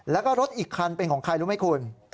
แล้วก็รถอีกคันเป็นของใครรู้ไหมคุณ